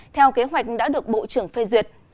theo kế hoạch đã được bộ trưởng phê duyệt